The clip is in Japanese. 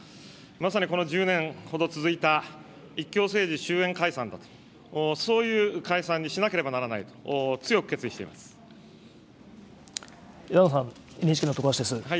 まさにこの１０年ほど続いた１強政治終えん解散だと、そういう解散にしなければならないと、強く枝野さん、ＮＨＫの徳橋です。